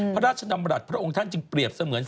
พระราชดำรัฐพระองค์ท่านจึงเปรียบเสมือน